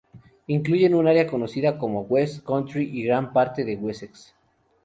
Incluye un área conocida como West Country y gran parte de Wessex.